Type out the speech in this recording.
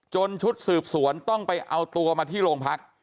ชุดสืบสวนต้องไปเอาตัวมาที่โรงพัก